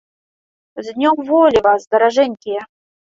З днём волі вас, даражэнькія!